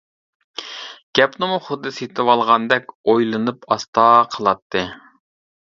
گەپنىمۇ خۇددى سېتىۋالغاندەك ئويلىنىپ ئاستا قىلاتتى.